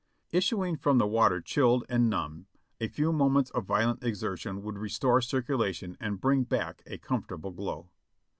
Issuing from the water chilled and numb, a few moments of vio lent exertion would restore circulation and bring back a com fortable glow.